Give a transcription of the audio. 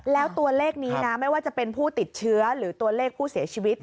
แล้วตัวเลขนี้นะไม่ว่าจะเป็นผู้ติดเชื้อหรือตัวเลขผู้เสียชีวิต